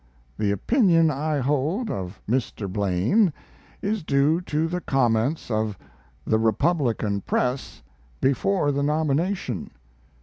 The opinion I hold of Mr. Blaine is due to the comments of the Republican press before the nomination.